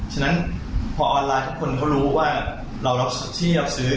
ฉะนั้นพอออนไลน์ทุกคนเขารู้ว่าเราเทียบซื้อ